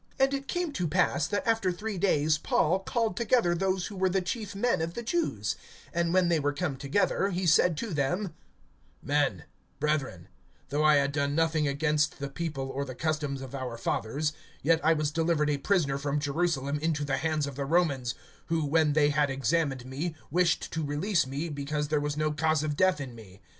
(17)And it came to pass, that after three days Paul called together those who were the chief men of the Jews; and when they were come together, he said to them: Men, brethren, though I had done nothing against the people, or the customs of our fathers, yet I was delivered a prisoner from Jerusalem into the hands of the Romans; (18)who, when they had examined me, wished to release me, because there was no cause of death in me.